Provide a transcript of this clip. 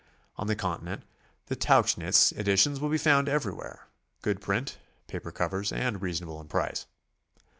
On the Continent the Tauchnitz editions will be found everywhere, — good print, paper covers, and reasonable in price.